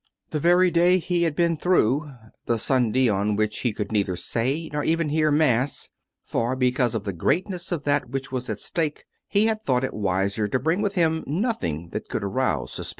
The very day he had been through — the Sunday on which he could neither say nor even hear mass (for, because of the greatness of that which was at stake, he had thought it wiser to bring with him nothing that could arouse sus COME RACK!